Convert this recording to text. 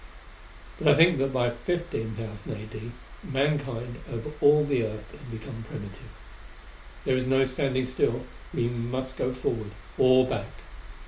But I think that by 15,000 A.D., mankind over all the Earth had become primitive. There is no standing still: we must go forward; or back.